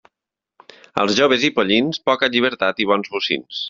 Als joves i pollins, poca llibertat i bons bocins.